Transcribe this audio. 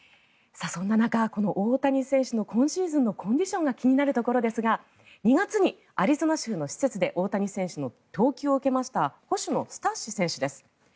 そんな中、この大谷選手の今シーズンのコンディションが気になるところですが２月にアリゾナ州の施設で大谷選手の投球を受けました捕手のスタッシ選手です。